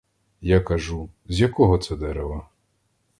Я кажу — з якого це дерева?